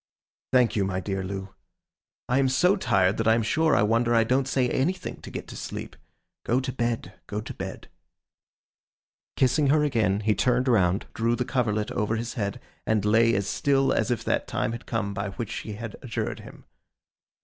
'Thank you, my dear Loo. I am so tired, that I am sure I wonder I don't say anything to get to sleep. Go to bed, go to bed.' Kissing her again, he turned round, drew the coverlet over his head, and lay as still as if that time had come by which she had adjured him.